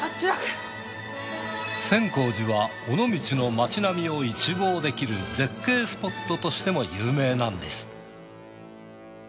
千光寺は尾道の街並みを一望できる絶景スポットとしても有名なんです。